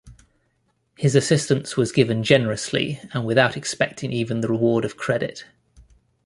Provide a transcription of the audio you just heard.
His assistance was given generously and without expecting even the reward of credit.